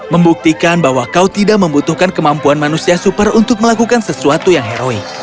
membuktikan bahwa kau tidak membutuhkan kemampuan manusia super untuk melakukan sesuatu yang heroik